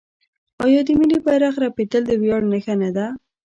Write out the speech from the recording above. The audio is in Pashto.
آیا د ملي بیرغ رپیدل د ویاړ نښه نه ده؟